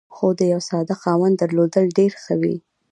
خو د یوه ساده خاوند درلودل ډېر ښه وي.